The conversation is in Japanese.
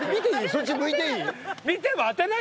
そっち向いていい？